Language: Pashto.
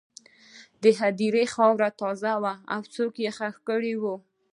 د هدیرې خاوره تازه وه، څوک یې ښخ کړي وو.